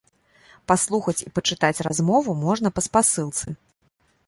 Паслухаць і пачытаць размову можна па спасылцы.